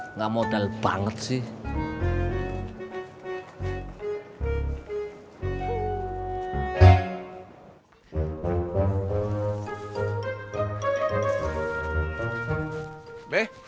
enggak modal banget sih